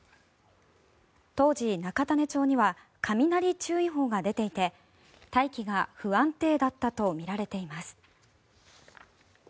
当時、中種子町には雷注意報が出ていて大気が不安定だったとみられています。